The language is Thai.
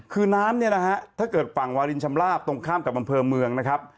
คือน้ำเนี่ยนะฮะถ้าเกิดฝั่งวาลินชำลาบตรงข้ามกับอำเภอเมืองนะครับ